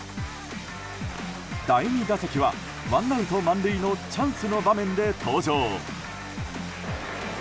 第２打席はワンアウト満塁のチャンスの場面で登場。